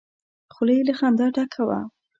خوله يې له خندا ډکه وه!